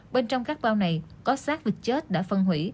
bên trong các bao này có sát vịt chết đã phân hủy